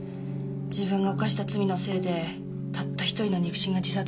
自分が犯した罪のせいでたった１人の肉親が自殺しちゃって。